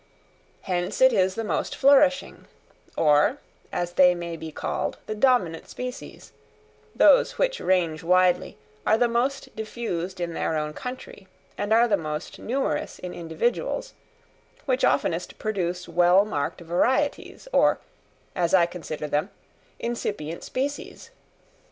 Hence it is the most flourishing, or, as they may be called, the dominant species—those which range widely, are the most diffused in their own country, and are the most numerous in individuals—which oftenest produce well marked varieties, or, as I consider them, incipient species.